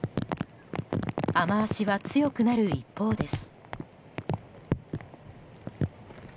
雨脚は強くなる一方です。